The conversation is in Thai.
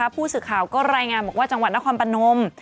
ผู้สื่อข่าวก็รายงานบอกว่าจังหวัดนครพนม